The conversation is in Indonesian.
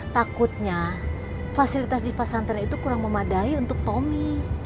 takutnya fasilitas di pesantren itu kurang memadai untuk tommy